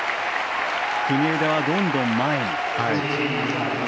国枝はどんどん前に。